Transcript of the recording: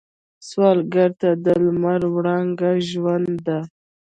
سوالګر ته د لمر وړانګه ژوند ده